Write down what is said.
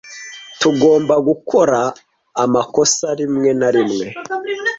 Tugomba gukora amakosa rimwe na rimwe.